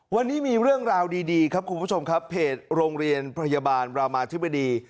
วันนี้มีเรื่องราวดีครับคุณผู้ชมครับเพจโรงเรียนพยาบาลรามาธิบดี